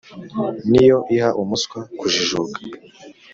ni yo iha umuswa kujijuka